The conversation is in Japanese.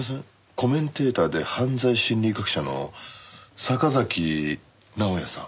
コメンテーターで犯罪心理学者の坂崎直哉さん。